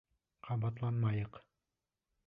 Ҡабаланмайыҡ.